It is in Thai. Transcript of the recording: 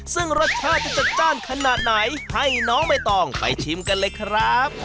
ซึ่งรสชาติจะจัดจ้านขนาดไหนให้น้องใบตองไปชิมกันเลยครับ